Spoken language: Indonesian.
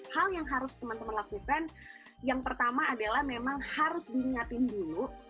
hal yang harus teman teman lakukan yang pertama adalah memang harus diingatin dulu